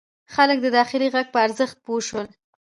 خلک د داخلي غږ په ارزښت پوه شول.